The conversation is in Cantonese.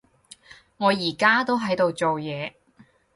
我而家都喺度做嘢